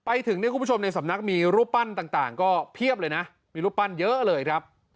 ไปถึงเนี่ยคุณผู้ชมในสำนักมีรูปปั้นต่างก็เพียบเลยนะมีรูปปั้นเยอะเลยครับ